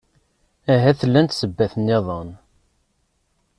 Ahat llant ssebbat nniḍen.